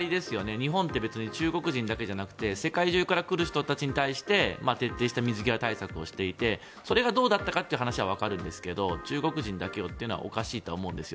日本って別に中国人だけじゃなくて世界中から来る人たちに対して徹底した水際対策をしていてそれがどうだったかという話はわかりますが中国人だけというのはおかしいとは思うんですよ。